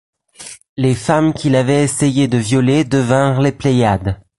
Les femmes qu'il avait essayé de violer devinrent les Pléiades.